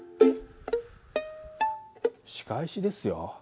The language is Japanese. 仕返しですよ。